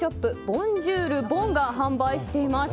ボンジュール・ボンが販売しています。